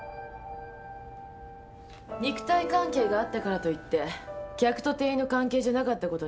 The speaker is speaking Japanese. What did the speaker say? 肉体関係があったからといって客と店員の関係じゃなかったことにはなりませんよ。